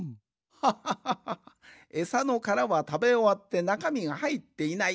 ハッハッハッハッハえさのカラはたべおわってなかみがはいっていない。